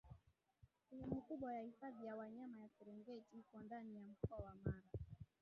Sehemu kubwa ya Hifadhi ya Wanyama ya Serengeti iko ndani ya Mkoa wa Mara